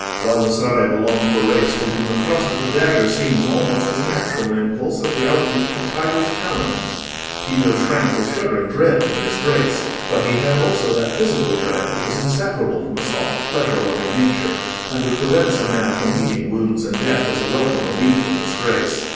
Baldassarre belonged to a race to whom the thrust of the dagger seems almost as natural an impulse as the outleap of the tiger's talons. Tito shrank with shuddering dread from disgrace; but he had also that physical dread which is inseparable from a soft pleasure loving nature, and which prevents a man from meeting wounds and death as a welcome relief from disgrace.